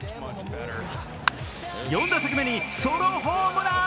４打席目にソロホームラン。